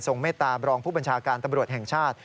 เมตตาบรองผู้บัญชาการตำรวจแห่งชาติ